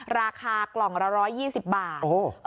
ราคากล่องละ๑๒๐บาท